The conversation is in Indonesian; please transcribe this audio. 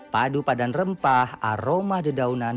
padu padan rempah aroma dedaunan